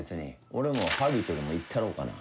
俺もハリウッドでも行ったろうかな。